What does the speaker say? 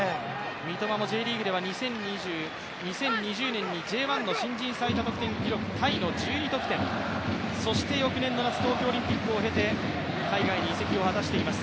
三笘も２０２０年にＪ１の新人最多得点タイの１２得点、そして翌年の夏、東京オリンピックを経て海外に移籍を果たしています。